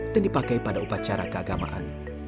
dan dipakai pada upacara keagamaan